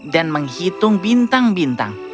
dan menghitung bintang bintang